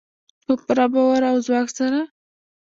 په پوره باور او ځواک سره.